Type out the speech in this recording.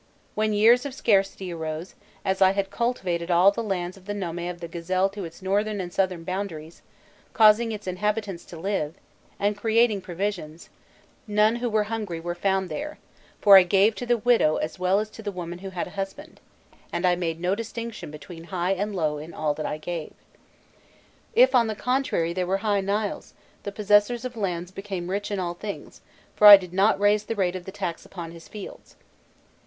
When years of scarcity arose, as I had cultivated all the lands of the nome of the Gazelle to its northern and southern boundaries, causing its inhabitants to live, and creating provisions, none who were hungry were found there, for I gave to the widow as well as to the woman who had a husband, and I made no distinction between high and low in all that I gave. If, on the contrary, there were high Niles, the possessors of lands became rich in all things, for I did not raise the rate of the tax upon the fields."